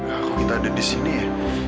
aku kira ada di sini ya